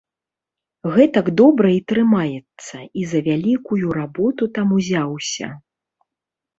Гэтак добра і трымаецца і за вялікую работу там узяўся.